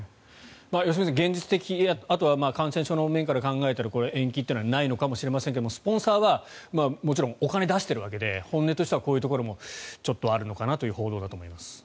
良純さん、現実的にあとは感染症の面から考えたら延期はないのかもしれませんがスポンサーはもちろんお金を出しているわけで本音としてはこういうところもちょっとあるのかなという報道だと思います。